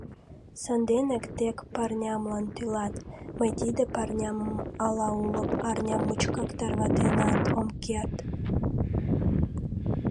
Санденак тек парнямлан тӱлат — мый тиде парнямым ала уло арня мучкак тарватенат ом керт...